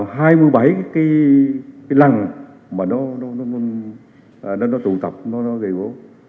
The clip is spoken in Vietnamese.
hai mươi bảy cái lăng mà nó tụ tập nó gây gỗ